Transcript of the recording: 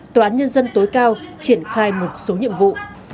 tòa án nhân dân tối cao triển khai một số nhiệm vụ